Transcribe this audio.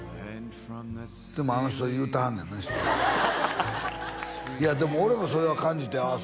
でもあの人言うてはんねんなハハハハいやでも俺もそれは感じてああ